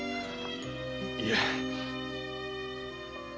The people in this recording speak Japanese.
いえ。